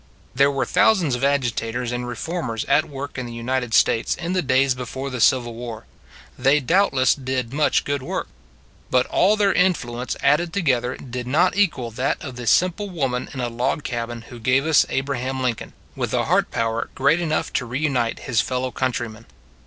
There were thousands of agitators and reformers at work in the United States in the days before the Civil War. They doubtless did much good work. But all their influence added together did not equal that of the simple woman in a log cabin 76 It s a Good Old World / who gave us Abraham Lincoln, with a heart power great enough to reunite his fellow countrymen.